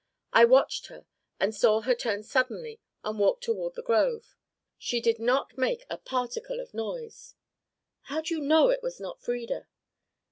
I watched her and saw her turn suddenly and walk toward the grove. She did not make a particle of noise " "How do you know it was not Frieda?"